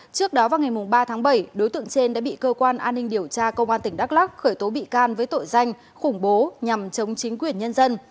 trước đó vào ngày ba tháng bảy đối tượng trên đã bị cơ quan an ninh điều tra công an tỉnh đắk lắc khởi tố bị can với tội danh khủng bố nhằm chống chính quyền nhân dân